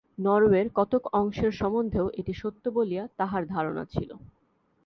নরওয়ের কতক অংশের সম্বন্ধেও এটি সত্য বলিয়া তাঁহার ধারণা ছিল।